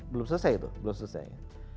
belum selesai itu belum selesai